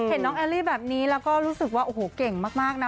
เห็นน้องแอลลี่แบบนี้เราก็รู้สึกว่าเก่งมากนะ